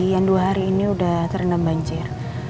yang dua hari ini sudah terendam banjir